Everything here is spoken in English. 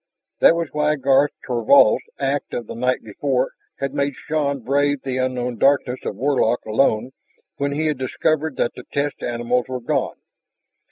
That was why Garth Thorvald's act of the night before had made Shann brave the unknown darkness of Warlock alone when he had discovered that the test animals were gone.